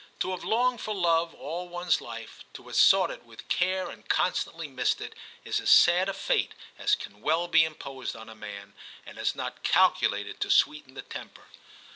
To have longed for love all one s life, to have sought it with care and constantly missed it, is as sad a fate as can well be imposed on a man, and is not calculated to sweeten the temper.